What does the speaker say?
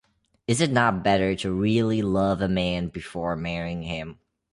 Is it not better to really love a man before marrying him?